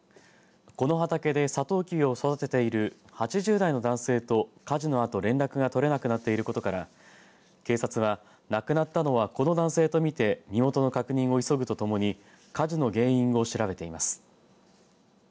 この畑でサトウキビを育てている８０代の男性と火事のあと連絡が取れなくなっていることから警察が亡くなったのはこの男性と見て身元の確認を急ぐとともに火事の原因を調べています。